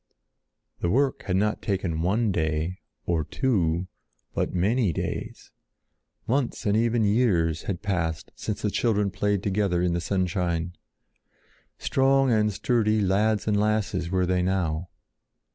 The work had not taken one day, or two, but many days. Months and even years had passed since the children played together in the sunshine. Strong and sturdy lads and lasses were they now.